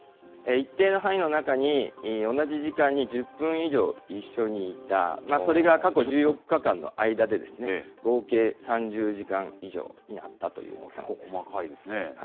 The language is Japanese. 一定の範囲の中に同じ時間に１０分以上一緒にいた、それが過去１４日間の間で合計３０時間以上になったということで細かいですね。